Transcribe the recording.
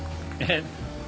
えっ？